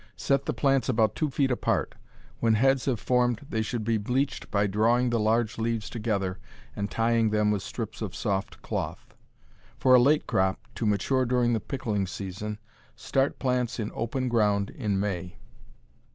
Set the plants about two feet apart. When heads have formed they should be bleached by drawing the large leaves together and tying them with strips of soft cloth. For a late crop, to mature during the pickling season, start plants in open ground in May.